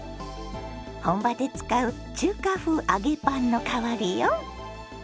本場で使う中華風揚げパンの代わりよ。